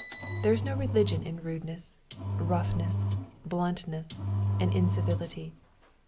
There is no religion in rudeness, roughness, bluntness, and incivility.